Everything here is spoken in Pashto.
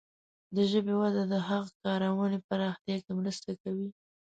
د ژبې وده د هغه کارونې پراختیا کې مرسته کوي.